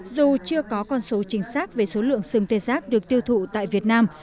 dù chưa có con số chính xác về số lượng sừng tê giác được tiêu thụ tại việt nam